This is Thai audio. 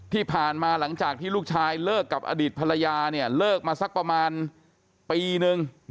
ที่ผ่านมาหลังจากที่ลูกชายเลิกกับอดีตภรรยาเนี่ยเลิกมาสักประมาณปีนึง